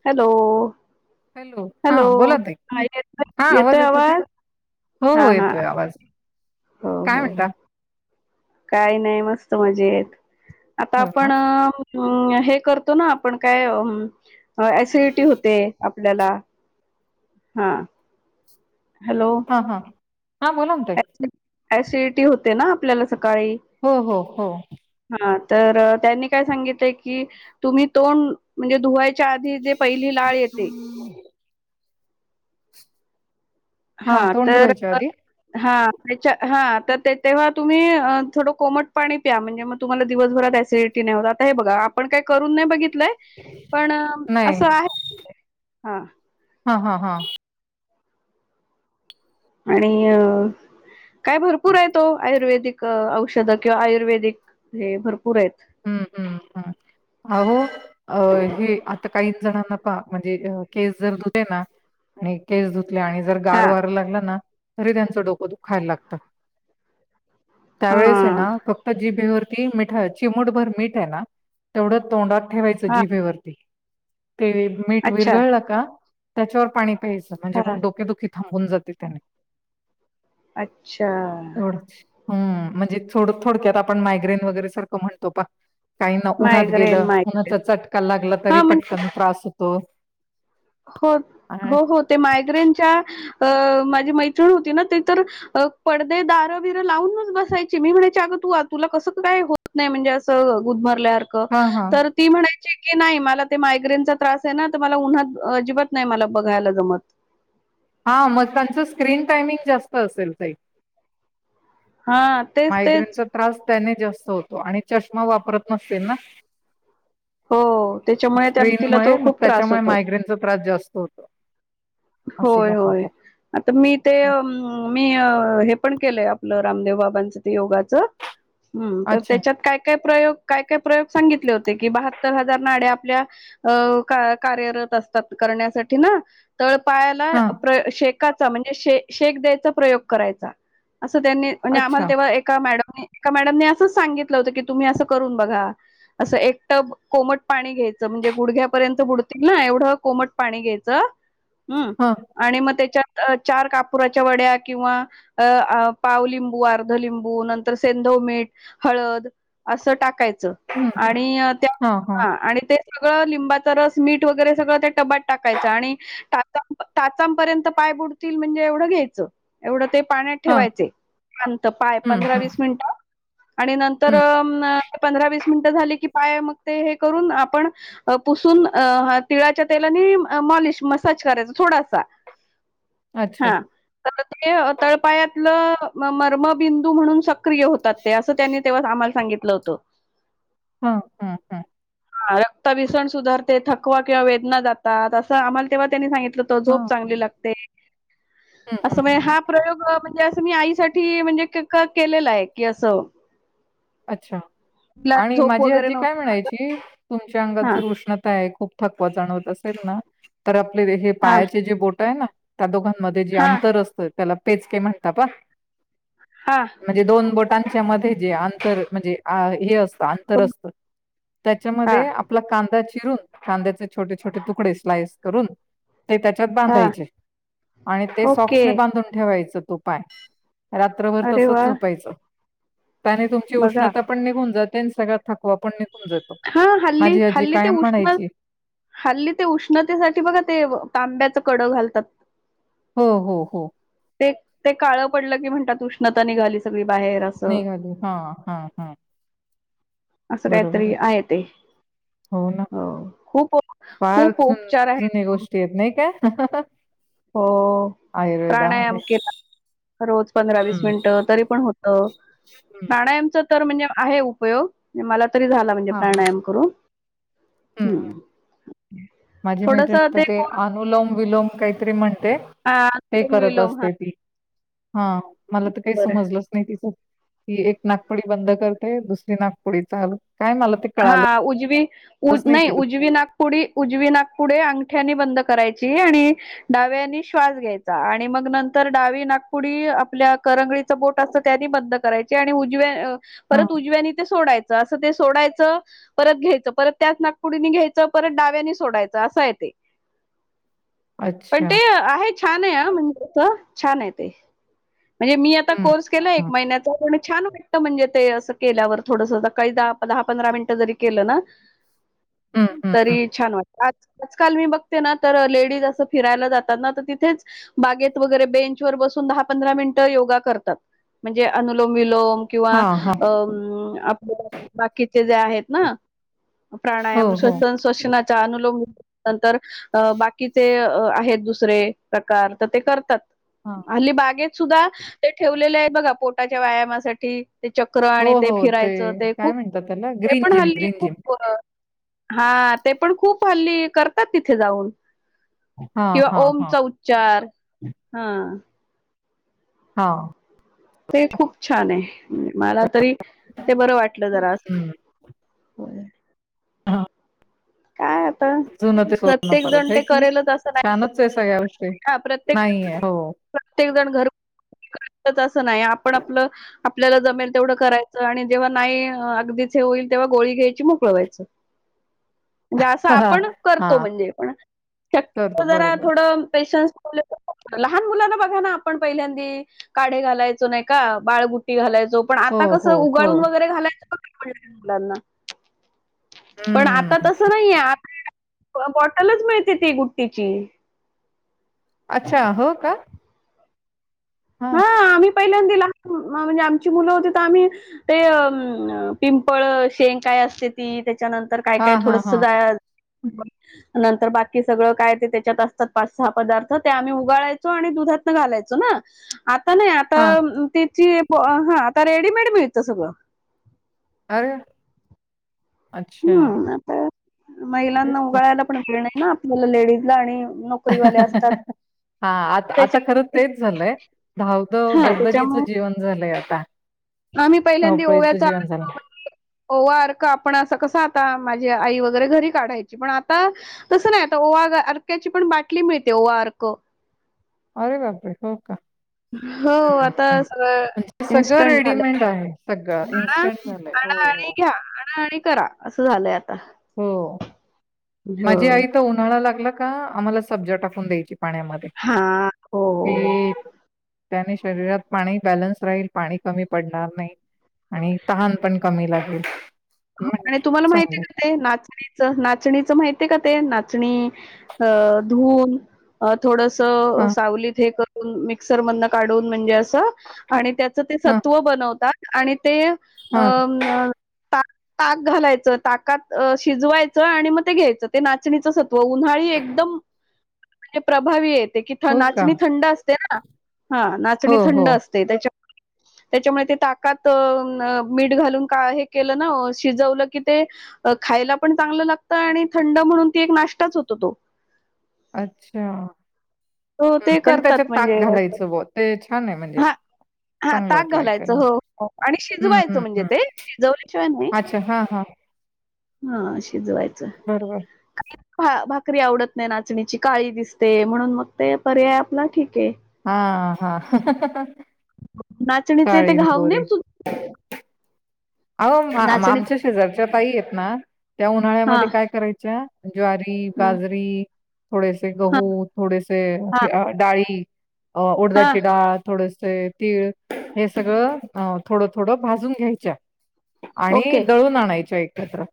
Hello hello हा बोलात आहे हा हा येतोय आवाज येतोय येतो ते हो हा हो हा येतोय आवाज हो काय हो म्हणता हो काय नाही मस्त मजाेत आता हो ना आपण अ हे करतो ना आपण काय सिडिटी होते आपल्याला हा हॅलो हां बोलाम ते सिडिटी होते ना आपल्याला स हो हो हो हा तर त्यांनी काय सांगितलंय की तुम्ही तोंड म्हणजे धुवाय त्याच्या आधी जे पहिली लाळ येते हा तोंड तर धुवायच्या आधी हा त्याच्या हा तर तेव्हा तुम्ही थोडं कोमट पाणी प्या म्हणजे मग तुम्हाला दिवसभरात ऍसिडिटी नाही होत आता हे बघा आपण काय करून नाही बघित... पण असं नाही आहे... हा... हा हा हा..... आणि अ... काय भरपूर आहे तो आयुर्वेद... औषध किंवा आयुर्वेदिक हे भरपूर.... आहेत. हम्म हम्म हम् अह अ हे.... काही जनांना पाहा म्हणजे केस जर धुले ना केस... आणि जर गार हां, वार लागला ना... तरी त्यांचं डोकं दुखायला लागतं. त्यावेेळेस आहे हां, ना गप्पा जी बेहर.... ते मिठा... चिमटभर मीठ आहे ना तेवढं तोंडात.... ठेवायचं हां. जीभेवरती.. ते मीठ अच्छा. विरगळलं का... त्याच्यावर पाणी... पैस म्हणजे हां, ग डोक्या दुखे... थांबून जाते त्याने... अच्छा... हम म्हणजे थोड थोडक्यात आपण मायग्रेन वगैरे सरकतो... म्हणतो प... काही ना उन्हात मायग्रेन, गेलं मायग्रेन. उन्हाचा चटका लागला तरी हां, म्हणजे पटकन त्रास होत.. तो... हो हो हो ते मायग्रेनच्या.... अ माझी मैत्रीन होती ना ते तर पडदे दारं बरं लावूनच बसायची मी म्हणायची अगं तू तुला कसं काय होत नाही म्हणजे असं गुदमर... हा हा तर ती म्हणायची... नाही मला ते मायग्रेनचा त्रास आहे ना मला उन्हात.. अजिबात नाही मला बघायला जमत... हा मग त्यांचं स्क्रीन टाइमिंग जास्त असेल ताई... हा तेच तेच... मायग्रेनचा त्रास त्याने जास्त होतो आणि चष्मा वापरत नसते ना हो त्याच्यामुळे त्या तिला तो स्क्रीनमुळे मग खूप त्रास त्याच्यामुळे होतो. मायग्रेनचा जास्त होत. होय होय आता मी ते आहे. मी हे पण...... केलंय आपलं रामदेव बाबांच ते योगाचं. हम्म तर अच्छा त्याच्यात काय काय प्रयोग काय काय? प्रयोग सांगितले होते की बहात्तर हजार नाड आपल्या कार्यरत असतात करण्यासाठी ना. [unintelligible] पायाला हा प्र शेक. शेका म्हणजे शे शेक द्यायचा प्रयोग करायचा. असं त्यांनी म्हणजे आम्हाला अच्छा तेव्हा एका मॅडम एका मॅडमनी असंच सांगितलं होतं की तुम्ही असं करून बघा असं एक टब कोमट पाणी घ्यायचं म्हणजे गुडघ्यापर्यंत बुडतील ना एवढं कोमट पाणी घ्यायचं. हम्म हा आणि मग त्याच्या चार कापुराच्या वड्या किंवा पावलिंबू अर्ध लिंबू नंतर सेंधव मठ हळद असं टाकायचं. हम्म आणि हा ते. सगळं लिंबाच रस मीठ वगैरे सगळं त्या टब्यात टाकायचं आणि तचांपर्यंत पाय बुडतील म्हणजे एवढं घ्यायचं एवढं. ते पाण्यात हा ठेवायचे श पाय हं, पंधरा हं, वस मिनट आणि नंतर हं. पंधरा-वीस एक मिनिट झाले की पाय मग ते हे करून आपण पुसून हा तिळा च्या तेलाने मालिश मस्त. सच करायच थोडासा अच्छा. हा आता ते. तळ पायात मर्मबिंदू म्हणून सक्रिय होतात ते असं त्यांनी तेव्हा आम्हाला सांगितलं होतं. हा हा हा. रक्त बसण सुधारते थकवा किंवा वेदना जातात असं आम्हाला तेव्हा त्यांनी तर झोप हां. चांगली लागते. हं, असं म्हण हं. हा प्रयोग. म्हणजे असं मी आईसाठी म्हणजे का केलेलं आहे की असं. अच्छा. तिला आणि झोप माझी वगैरे आजी काय नव्हती म्हणायची तुमच्या अंगात हा जर उष्णता आहे खूप थकवा जाणवत असेल ना तर आपले हे हा पायाचे जे बोट आहे ना. त्या दोघ मध्ये जे हा अंतर असतात. त्याला पेच पे म्हणत ना. हा म्हणजे दोन बोट त्यांच्या मध्ये जे तर म्हणजे हे अस. रत हा त्याच्यामध्ये आपल्या कांदा चिरून कांद्याचे छोटे छोटे तुकडे स्लाइस करून ते त्याच्यात हा बांधायचे आणि ते ओके सॉक्सने बांधून ठेवायचं. तो पाय रात्रभर अरे तसच वा झोपायचं. पायात बघा उष्णता पण निघून जात. सगळत थकवा पण निघतोय. हा हल्ली हल्ली ते उष्ण म्हणायची हल्ली ते उष्णतेसाठी बघा ते तांब्याच कड घालतात हो हो हो ते ते काळं पडलं की म्हणतात उष्णता निघाली सगळी बाहेर असं नाही गदी हा हा हा असं काहीतरी आहे ते हो खूप फार खूप उपचार आहेत ह हो प्राणायाम केला रोज पंधरा वीस हम्म मिनिट तरी पण होत हम्म प्राणायामच तर म्हणजे आहे उपयोग मला तरी झाला म्हणजे हा हा प्राणायाम करू माझी माैत्री थोडस असत ते कोर्स अनुलम विलोम काहीतरी म्हण ते हे अनुलोम करत विलोम हा असते ती हा मला तर काही बरं समजलंच नाही तिचं ही एक नागपुडी बंद करते दुसरी नागपुडी चालू काय मला ते हा कळालं उजवी उ च नाही तिथं. उजवी ना पुडी उजवी नागपुडे अंगठ्यानी बंद करायची आणि डाव्यानी श्वास घ्यायचा आणि मग नंतर डावी नागपुडी आपल्या करंगडीचं बोट असतं त्यानी बंद करायची आणि उजव्या हा परत उजव्यानी ते सोडायच असं ते सोडायचं परत घ्यायचं परत त्याच नागपुडीनी घ्यायचं परत डाव्यानी सोडायचं असं आहे ते पण अच्छा. ते आहेत छान आहे म्हणजे छान आहे ते म्हणजे मी आता हम्म, कोर्स केला हम्म, एक हम्म. महिन्याचा पण छान हो म्हणजे ते असं केल्यावर थोडस कैदा पंरा मिनट री केलं ना हं, हं, तरी हं. छान वाट आजकाल मी बघते ना तर लेडीज असं फिरायला जातात ना तर तिथेच बागेत वगैरे बेंचवरर बसून दहा पंधरा मिनिटं योगा करतात म्हणजे अनुलोम विलोम किंवा हां, हां. आपल्या जे आहेत ना हो, प्राणायाम हो. श्वसन श्वसनाचा अनुलंब नंतर अ बाकीचे आहेत दुसरे प्रकार तर ते करतात हां. हली बागेत सुद्धा ते ठेवलेले आहे बघा पोटाच्या व्यायामासाठी ते चक्र हो, आणि ते हो. फिरायचं ते काय खूप म्हणतात त्याला ते ग्रीन पण जिम, हल्ली ग्रीन जिम. खूप हा ते पण खूप हल्ली करतात तिथे जाऊन हां, किंवा हां, हां. ओमचा उच्चार हा हा ते खूप छान आहे मला तरी ते बरं वाटलं जरा अस हा काय आता प्रत्येक जण परत आहे ते की नाही? करेलच असं छानच आहे सगळ्या गोष्टी. नाही प्रत्येक नाहीये. हो. प्रत्येक जण घरत असं नाही पण आपलं आपल्याला जमेल तेवढं करायचं आणि जेव्हा नाही अगदीच हे होईल तेव्हा गोळी घ्यायची मोकळवायचं म्हणजे असं आपण करतो हां. म्हणजे पण शक्यत करतो जरा बरोबर. थोडं ल मुलाना बघा ना आपण पहिल्यांद काढे घालायचो नाही का बाळगुट्टी घालायच पण हो, आता हो, कसं हो. उगळून वगैरे घालायच [unintelligible] [unintelligible] पण आता हं. तसं नाहीये आता बॉटलच मिळते ती गुट्टीची अच्छा हो का हां. हा आम्ही पहिल्यांद दिला म्हणजे आमची मुलं होती तर आम्ही ते पिंपळ शेंग काय असते ती त्याच्या नंतर काय काय हां, हां, थोडंस हां. नंतर बाकी सगळं काय ते त्याच्यात असतात पाच सहा पदार्थ ते आम्ही उगाळायचो आणि दुधातन घालायचो ना ह आता नाही आता हां. त्याची हा आता रेडीमेड मिळत सगळं अरे वा! हं, आता तेच महिलांना तर. उगायला पण वेळ नाही ना. मला लेडीज ला आणि नोकरीवाल्या असतात हा आता आता खरं त्याच्या तेच झालंय. धावधव हा दगदगीच त्याच्यामुळे जीवन झालंय आता. आम्ही पहिल्यांदा धावपळीचं ओव्याचा जीवन अर्क झालंय. वैगरे, ओवा अर्क आपण असं कसा आता माझी आई वग गरे घरी काढायची. पण आता तसं नाही आता ओवा अर्क्याची पण बाटली मिळते. ओवा अर्क. अरे बापरे! हो का? हो हं, आता हं. सगळ सगळं इन्स्टंट रेडीमेड आहे. सगळं झालं. इन्स्टंट झालंय. हो, हो. [unintelligible] करा असं झालंय आता. हो. हो माझी आई तर उन्हाळा लागला का आम्हाला सब्जा टाकवून द्यायची पाण्यामध्ये. हा हो हो हो ते त्याने शरीरात पाणी बॅलन्स राहील, पाणी कमी पडणार नाही, आणि तहान पण कमी लागेल. हो आणि म्हटलं तुम्हाला माहिती चांगलंय. का ताई नाचणीचं? नाचणीचं माहिती का ते नाचणी अ धुवून, अ थोडस हां, सावलीत हे कर रुन मिक्सर मधन काढून. म्हणजे असं आणि त्याच ते हां, सत्व बनवतात. आणि ते हां. अं अ ताक ते ताक घालायचं ताकात शिजवायचं आणि मग ते घ्यायचं. ते नाचणीचं सत्व उन्हाळी एकदम म्हणजे प्रभावी आहेत. ते कि थं हो का? नाचणी थंड असते ना. हं नाचणी हो, हो. थंड असते त्याच्या त्याच्यामुळे ते ताकात अं मीठ घालून का हे केलं ना शिजवलं की ते खायला पण चांगलं लागतं आणि थंड म्हणून ती एक नाश्ताच होतो तो. अच्छा. हो हं, ते पण करतात त्याच्यात ताक म्हणजे अस. घालायचं बुवा ते छान आहे म्हणजे हा हा चांगलं ताक वाटलं घालायचं ऐकायला. हो हो आणि हं, शिजवायचं हं, म्हणजे हं. ते शिजवल्याशिवाय नाही. अच्छा. हां, हां. हा शिजवायचं. बरोबर. काही भाकरी आवडत नाही नाचणीची. काळी दिसते म्हणून मग ते पर्याय आपला ठीक आहे. हां. हा नाचणीचे ते घाऊ न तु अह आमच्या शेजारच्या ता म त्या हा उन्हाळ्यामध्ये काय करायच्या ज्वारी हा बाजरी थोडेसे हा गहू थोडेसे हा डाळी अ हा उडदची डाळ थोड तीळ हे सगळं अ थोडं थोडं भाजून घ्यायच्या आणि ओके दळून आणायच एक [unintelligible]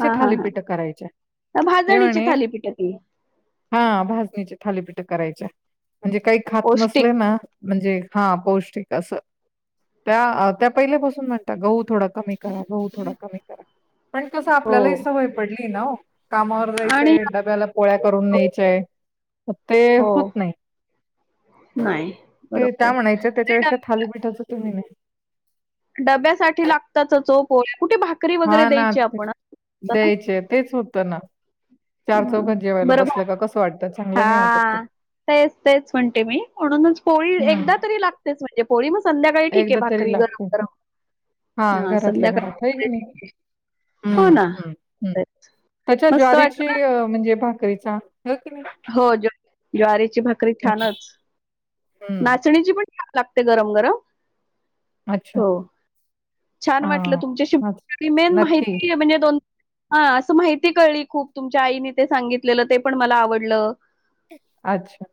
हा हा हा भाजणीची थालीपीठाक हा भाजणीचे थालीपीठ करायचे म्हणजे काही खात पौष्टिक नसले ना म्हणजे हा पौष्टिक असं त्या त्या पहिल्यापासून म्हण ता गहू थोडा कमी करा गहू थोडा कमी करा पण कसं हो आपल्याला ह सवय पडली ना कामावर आणि जायचंय डब्याला पोळ्या करून न्यायचय ते हो होत नाही नाही ते बरोबर त्या आहे. म्हणायच ते त्याच्यापेक्षा डब थाली पिठायच तुम्ही नाही डब्यासाठी लागताच [unintelligible] हा ना द्यायचे तेच होतं ना चार चौघात जेवायला बरोबर बसलं का कसं वाटतं, हा चांगलं नाही वाटत ते. तेच तेच म्हणते मी म्हणूनच पोळी हं, एकदा तरी लागतेच म्हणजे पोळी संध्याकाळी ठीके एकदा तरी भाकरी गरम लागतं. हां, गरम घरातल्या घरात. होय की नाही? संध्याकाळी हो हं, ना हं, हं. त्याच्या मस्त वाट ज्वारीची म्हणजे भाकरीचा हो की नाही? हो ज ज्वारीेची भाकरी हं, छाानच हं. नाचणीची पण लागते गरम गरम अच्छा हो. छान वाटलं हां, हाच. तुमच्याशी मेन नक्की. माहिती म्हणजे द हा असं माहिती कळली खूप तुमच्या आईने ते सांगितलेलं ते पण मला आवडलं अच्छा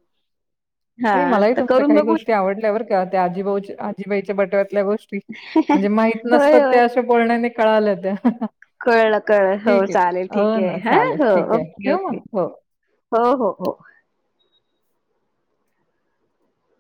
हा नाही मलाही तर तुमच्या करून काही बघू गोष्टी आवडल्याबर का त्या आजीबाईच्या बटव्यातल्या गोष्टी म्हणजे माहित होय नसतात होय त्या बण्या कळालं त कळलं कळ हो चालेल ठीक आहे ना, हा चालेल. हो ठीक आहे. ओके ठेवू ओके मग? हो. हो हो हो